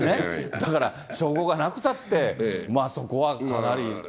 だから称号がなくたって、そこはかなり。